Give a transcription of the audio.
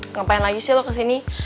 ngapain lagi sih lo kesini